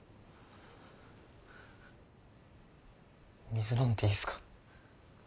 水飲んでいいっすか？